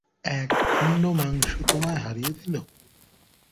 এক খন্ড মাংস তোমায় হারিয়ে দিলো।